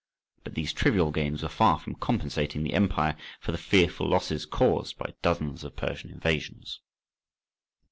But these trivial gains were far from compensating the empire for the fearful losses caused by dozens of Persian invasions.